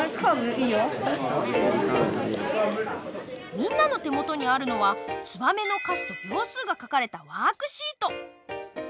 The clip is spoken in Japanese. みんなの手元にあるのは「ツバメ」の歌詞と秒数が書かれたワークシート。